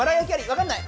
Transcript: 分かんない。